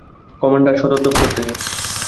Commander, সদর দপ্তর থেকে।